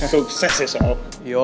sukses ya sob